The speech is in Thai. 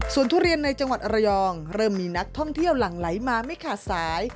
ส่วนทุเรียนในจังหวัดระยองเริ่มมีนักท่องเที่ยวหลั่งไหลมาไม่ขาดสาย